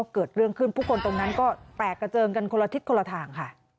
เกิดเรื่องขึ้นผู้คนตรงนั้นก็แตกกระเจิงกันคนละทิศคนละทางค่ะ